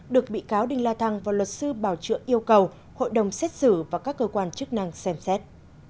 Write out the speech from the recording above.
được bị cáo đinh la thăng và luật sư bảo chữa yêu cầu hội đồng xét xử và các cơ quan chức năng xem xét